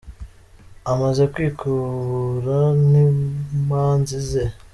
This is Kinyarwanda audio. Amaze kwikubura n’Imanzi ze.